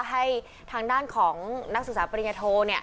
ให้ทางด้านของนักศึกษาปริญญโท